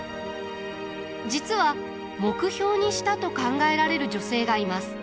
実は目標にしたと考えられる女性がいます。